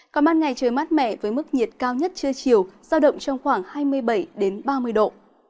còn ban ngày trời mát mẻ với mức nhiệt cao nhất trưa chiều giao động trong khoảng hai mươi bảy ba mươi độ